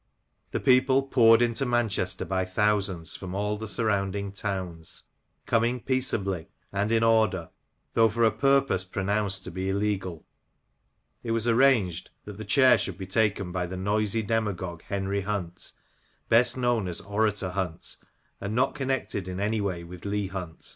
The people poured into Manchester by thousands 4"rom all the surrounding towns, coming peaceably and in order, though for a purpose pronounced to be illegal. It was arranged that the chair should be taken by the noisy demagogue Henry Hunt, best known as Orator Hunt, and not connected in any way with Leigh Hunt.